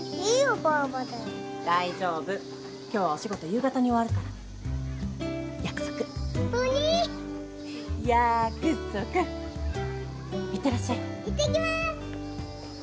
バアバで大丈夫今日はお仕事夕方に終わるから約束ホントに？やくそくいってらっしゃいいってきます！